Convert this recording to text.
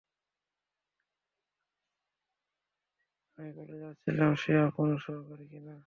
আমি বলতে চাচ্ছিলাম সে আপনার সহকারী কি-না।